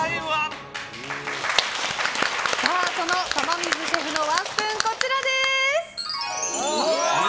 その玉水シェフのワンスプーンこちらです！